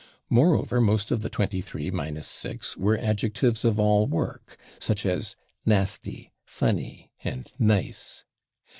Moreover, most of the 23 minus six were adjectives of all work, such as /nasty/, /funny/ and /nice